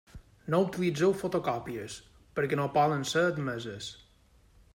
No utilitzeu fotocòpies, perquè no poden ser admeses.